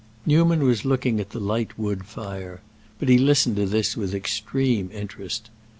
Newman was looking at the light wood fire; but he listened to this with extreme interest.